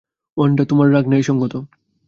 Wanda, তোমার রাগ ন্যায়সঙ্গত।